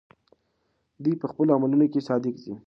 دی په خپلو عملونو کې صادق دی.